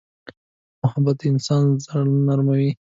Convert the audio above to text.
محبت د انسان زړه نرموي.